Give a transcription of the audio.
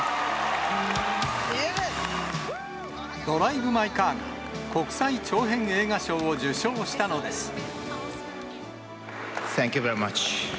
ドライブ・マイ・カーが、国際長編映画賞を受賞したのです。